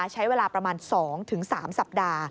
ใช้เวลาประมาณ๒๓สัปดาห์